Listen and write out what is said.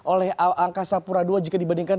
oleh angka sapura dua jika dibandingkan